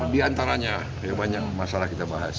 di antaranya ya banyak masalah kita bahas